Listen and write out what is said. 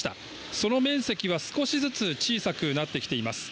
その面積は少しずつ小さくなってきています。